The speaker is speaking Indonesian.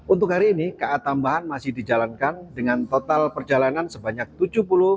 untuk hari ini ka tambahan masih dijalankan dengan total perjalanan sebanyak tujuh puluh delapan kereta api yang berangkat